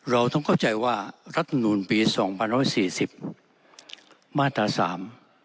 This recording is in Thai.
เราต้องเข้าใจว่ารัฐนูนปี๒๐๔๐มาตรศาล